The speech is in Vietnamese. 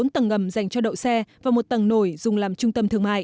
bốn tầng ngầm dành cho đậu xe và một tầng nổi dùng làm trung tâm